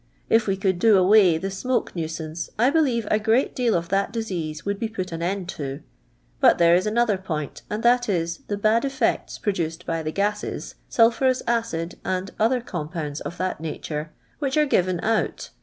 If we could do away the smoke nuisance, I believe a great deal of that disease would be put an end to. But there is another point, and that is, the bad effects produced by the gases, sulphurous acid and other compounds of that nature, which are given out.